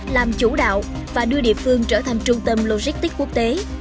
làm chủ đạo và đưa địa phương trở thành trung tâm logistics quốc tế